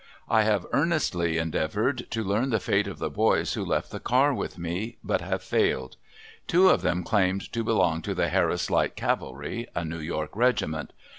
I have earnestly endeavored to learn the fate of the boys who left the car with me, but have failed. Two of them claimed to belong to the Harris Light Cavalry, a New York regiment.